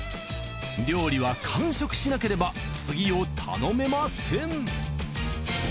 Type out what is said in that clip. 料理は完食しなければ次を頼めません。